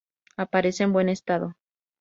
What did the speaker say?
Aparece en buen estado